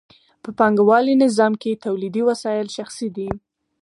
په پانګوالي نظام کې تولیدي وسایل شخصي دي